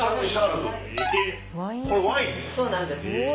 そうなんです。